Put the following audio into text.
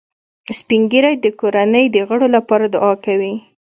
سپین ږیری د کورنۍ د غړو لپاره دعا کوي